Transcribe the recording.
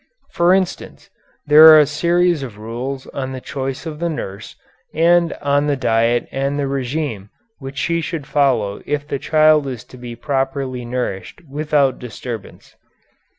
For instance, there are a series of rules on the choice of the nurse, and on the diet and the régime which she should follow if the child is to be properly nourished without disturbance.